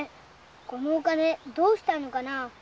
このお金どうしたのかな？